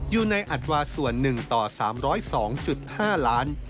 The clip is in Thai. อยู่ในอัตราส่วน๑ต่อ๓๐๒๕ล้าน